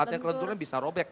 latihan kelenturannya bisa robek